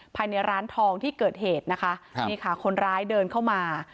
ภายในร้านทองที่เกิดเหตุนะคะครับนี่ค่ะคนร้ายเดินเข้ามา